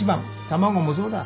卵もそうだ。